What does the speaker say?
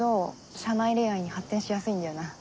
社内恋愛に発展しやすいんだよな。